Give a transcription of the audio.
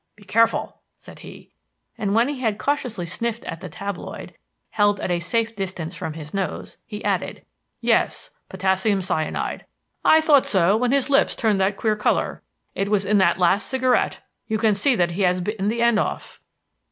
"Be careful," said he; and when he had cautiously sniffed at the tabloid held at a safe distance from his nose he added: "Yes, potassium cyanide. I thought so when his lips turned that queer color. It was in that last cigarette; you can see that he has bitten the end off."